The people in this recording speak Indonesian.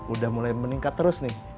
udah mulai meningkat terus nih